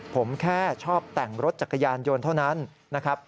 ผมแค่ชอบแต่งรถจักรยานยนต์เท่านั้นนะครับ